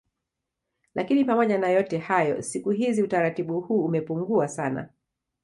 Lakini pamoja na yote hayo siku hizi utaratibu huu umepungua sana